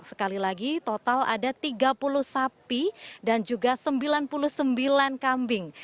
sekali lagi total ada tiga puluh sapi dan juga sembilan puluh sembilan kambing